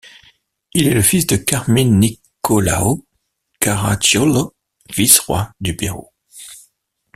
Il est le fils de Carmine Nicolao Caracciolo, vice-roi du Pérou.